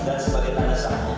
dan sebagai penesan